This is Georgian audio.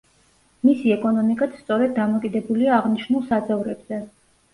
მისი ეკონომიკაც სწორედ დამოკიდებულია აღნიშნულ საძოვრებზე.